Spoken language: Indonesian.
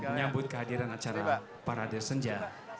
menyambut kehadiran acara para desenja